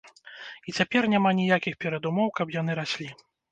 І цяпер няма ніякіх перадумоў, каб яны раслі.